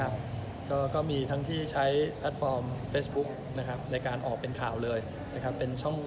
แล้วก็ส่งทั้งปราการฉุกเฉินแล้วก็ส่งดำเนินคดีปรแม่น